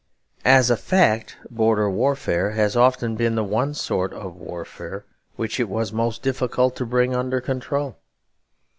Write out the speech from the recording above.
As a fact, border warfare has often been the one sort of warfare which it was most difficult to bring under control.